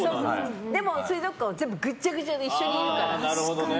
でも、水族館は全部ぐっちゃぐちゃで一緒にいるから。